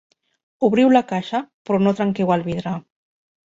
Obriu la caixa, però no trenqueu el vidre.